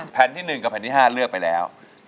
แผ่นที่๑กับแผ่นที่๕เลือกไปแล้ว